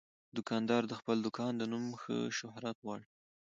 دوکاندار د خپل دوکان د نوم ښه شهرت غواړي.